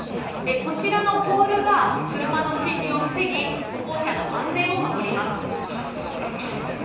こちらのポールが車の進入を防ぎ歩行者の安全を守ります。